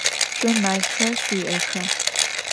Şso melxer şsui'exa?